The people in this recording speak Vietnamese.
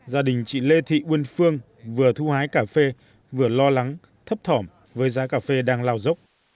gia đình chị lê thị quyên phương vừa thu hái cà phê vừa lo lắng thấp thỏm với giá cà phê đang lao dốc